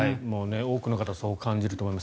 多くの方そう感じると思います。